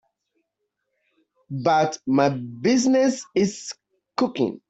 But my business is cooking.